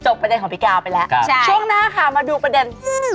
ประเด็นของพี่กาวไปแล้วช่วงหน้าค่ะมาดูประเด็นอืม